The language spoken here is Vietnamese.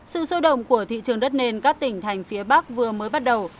sự sâu đồng của thị trường đất nền các tỉnh thành phía bắc vừa mới bắt đầu